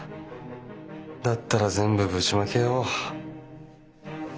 だったら全部ぶちまけよう。